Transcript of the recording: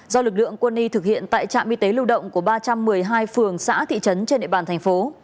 do lực lượng quân y thực hiện tại trạm y tế lưu động của ba trăm một mươi hai phường xã thị trấn trên địa bàn thành phố